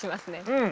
うん。